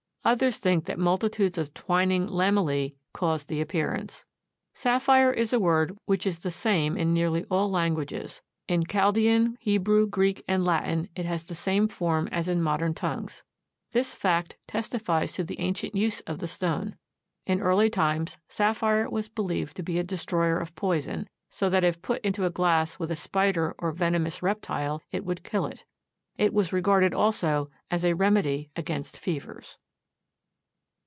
Others think that multitudes of twining lamellæ cause the appearance. Sapphire is a word which is the same in nearly all languages. In Chaldean, Hebrew, Greek and Latin it has the same form as in modern tongues. This fact testifies to the ancient use of the stone. In early times sapphire was believed to be a destroyer of poison, so that if put into a glass with a spider or venomous reptile it would kill it. It was regarded also as a remedy against fevers.